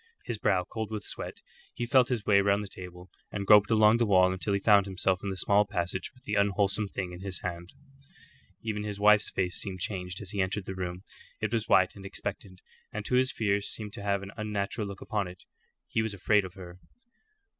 His brow cold with sweat, he felt his way round the table, and groped along the wall until he found himself in the small passage with the unwholesome thing in his hand. Even his wife's face seemed changed as he entered the room. It was white and expectant, and to his fears seemed to have an unnatural look upon it. He was afraid of her.